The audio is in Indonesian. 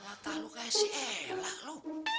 lata lu kayak si ella lu